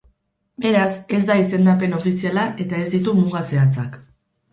Berez, ez da izendapen ofiziala eta ez ditu muga zehatzak.